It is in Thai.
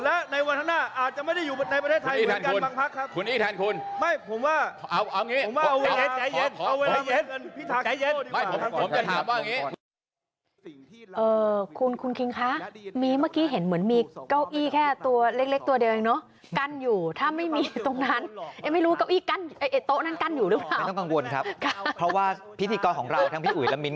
และในวันหน้าอาจจะไม่ได้อยู่ในประเทศไทยเหมือนกันบางภักร์ครับ